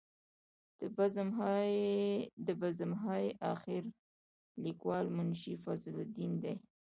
د بزم های اخیر لیکوال منشي فضل الدین دی.